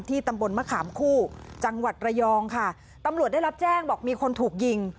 ตำบลมะขามคู่จังหวัดระยองค่ะตำรวจได้รับแจ้งบอกมีคนถูกยิง